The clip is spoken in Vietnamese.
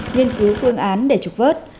nghiên cứu phương án để trục vớt